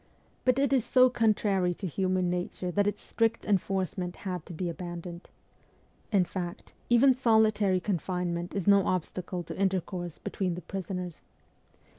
But it is so contrary to human nature that its strict enforcement had to be abandoned. In fact, even solitary con finement is no obstacle to intercourse between the prisoners.